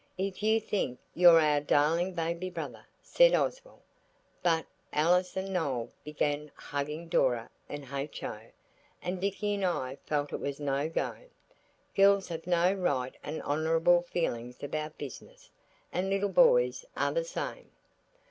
"If you think you're our darling baby brother–" said Oswald. But Alice and Noël began hugging Dora and H.O., and Dicky and I felt it was no go. Girls have no right and honourable feelings about business, and little boys are the same.